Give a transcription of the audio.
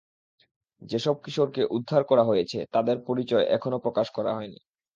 যেসব কিশোরকে উদ্ধার করা হয়েছে, তাদের পরিচয় এখনো প্রকাশ করা হয়নি।